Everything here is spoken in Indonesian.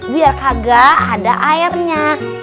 biar kagak ada airnya